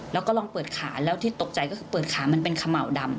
แล้วก็ลองเปิดขาแล้วที่ตกใจก็คือเปิดขามันเป็นเขม่าวดำ